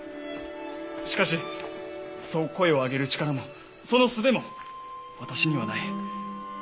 しかしそう声を上げる力もそのすべも私にはない。